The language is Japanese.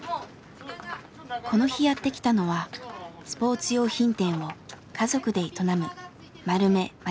この日やって来たのはスポーツ用品店を家族で営む丸目真由美さんです。